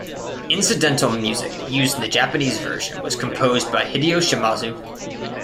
Incidental music used in the Japanese version was composed by Hideo Shimazu.